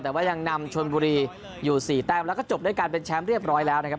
แต่ว่ายังนำชนบุรีอยู่สี่แต้มแล้วก็จบด้วยการเป็นแชมป์เรียบร้อยแล้วนะครับ